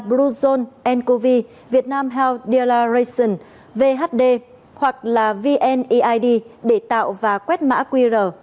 bluezone ncovi vietnam health deleration vhd hoặc là vneid để tạo và quét mã qr